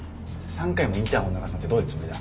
３回もインターフォン鳴らすなんてどういうつもりだ。